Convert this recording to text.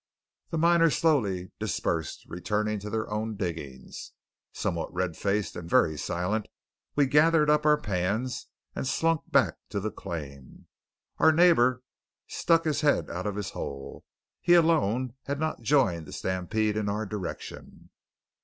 The miners slowly dispersed, returning to their own diggings. Somewhat red faced, and very silent, we gathered up our pans and slunk back to the claim. Our neighbour stuck his head out of his hole. He alone had not joined the stampede in our direction.